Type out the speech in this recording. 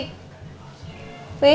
aku mau ke rumah